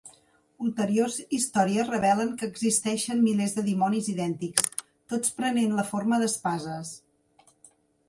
Ulteriors històries revelen que existeixen milers de dimonis idèntics, tots prenent la forma d'espases.